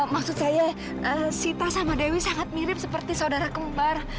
maksud saya sita sama dewi sangat mirip seperti saudara kembar